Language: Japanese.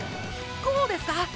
こうですか？